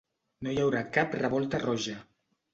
No hi haurà cap revolta roja!